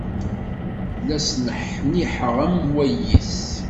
La sneḥniḥeɣ am wayis.